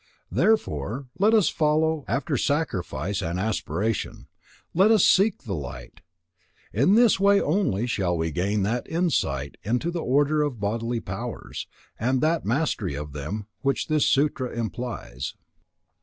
Therefore, let us follow after sacrifice and aspiration, let us seek the light. In this way only shall we gain that insight into the order of the bodily powers, and that mastery of them, which this Sutra implies.